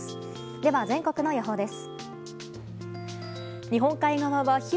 では、全国の予報です。